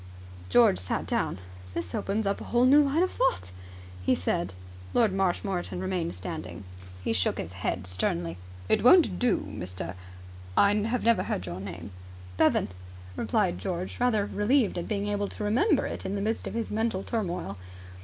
George sat down. "This opens up a new line of thought!" he said. Lord Marshmoreton remained standing. He shook his head sternly. "It won't do, Mr. ... I have never heard your name." "Bevan," replied George, rather relieved at being able to remember it in the midst of his mental turmoil.